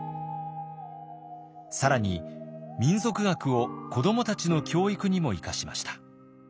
更に民俗学を子どもたちの教育にも生かしました。